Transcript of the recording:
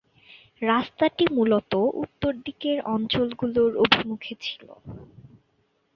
রাস্তাটি মুলত উত্তর দিকের অঞ্চল গুলোর অভিমুখে ছিল।